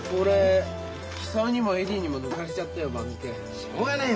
しょうがねえよ